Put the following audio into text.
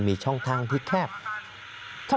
สามารถรู้ได้เลยเหรอคะ